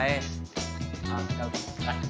ไปไปโทษ